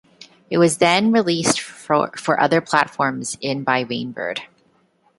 It was then released for other platforms in by Rainbird.